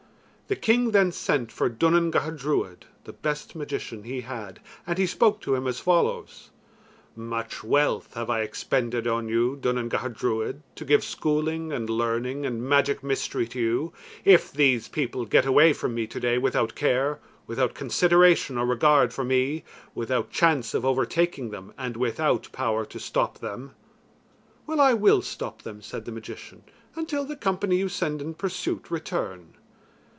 The king then sent for Duanan Gacha Druid, the best magician he had, and he spoke to him as follows: "Much wealth have I expended on you, Duanan Gacha Druid, to give schooling and learning and magic mystery to you, if these people get away from me today without care, without consideration or regard for me, without chance of overtaking them, and without power to stop them." "Well, I will stop them," said the magician, "until the company you send in pursuit return."